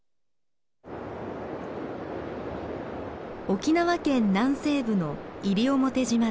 沖縄県南西部の西表島です。